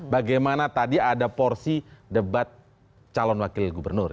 bagaimana tadi ada porsi debat calon wakil gubernur